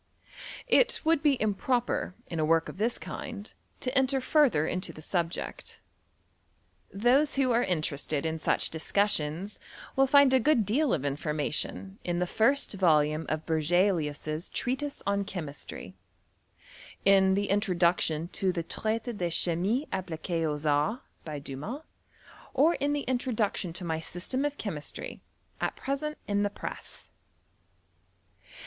It would be im proper, in a work of this kind, to enter further into the subject. Those who are interested in such dis cussions will find a g^ood deal of information in the first volume of Berzeliiis's Treatise on Chemistry, in the introduction to the Traite de Chimie appli(iu4 aux Arts, by Dumas, or in the introduction to my System of Chemistry, at present in the press.